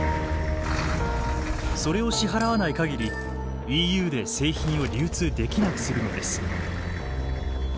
それを支払わない限りＥＵで製品を流通できなくするのです。